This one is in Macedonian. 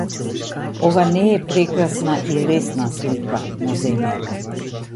Ова не е прекрасна и лесна слика на земјата.